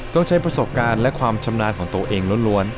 ต้องใช้ประสบการณ์และความชำนาญของตัวเองล้วน